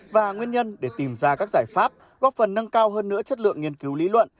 và nguyên nhân để tìm ra các giải pháp góp phần nâng cao hơn nữa chất lượng nghiên cứu lý luận